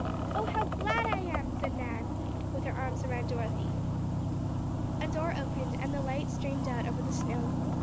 "Oh, how glad I am!" said Nan, with her arms around Dorothy. A door opened and the light streamed out over the snow.